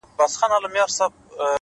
نن شپه بيا زه پيغور ته ناسته يمه”